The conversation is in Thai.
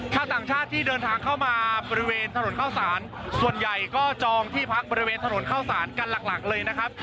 ชาวต่างชาติที่เดินทางเข้ามาบริเวณถนนเข้าสารส่วนใหญ่ก็จองที่พักบริเวณถนนเข้าสารกันหลักเลยนะครับ